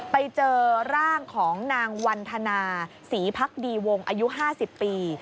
ไปเจอร่างของนางวันธนาศรีพักดีวงอายุ๕๐ปี